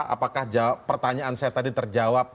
apakah pertanyaan saya tadi terjawab